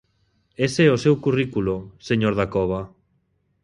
Ese é o seu currículo, señor Dacova.